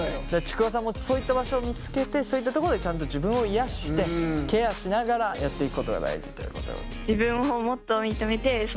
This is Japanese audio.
ちくわさんもそういった場所を見つけてそういったとこでちゃんと自分を癒やしてケアしながらやっていくことが大事ということ。